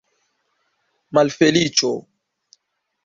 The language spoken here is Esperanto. Malfeliĉo!